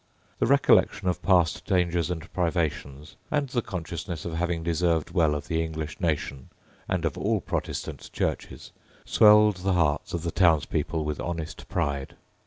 The recollection of past dangers and privations, and the consciousness of having deserved well of the English nation and of all Protestant Churches, swelled the hearts of the townspeople with honest pride.